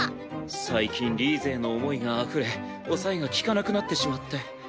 最近リーゼへの想いがあふれ抑えが利かなくなってしまって。